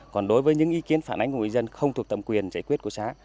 còn đối với những ý kiến phản ánh của người dân không thuộc tầm quyền giải quyết của xã